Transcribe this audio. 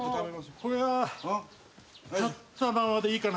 これは立ったままでいいかな？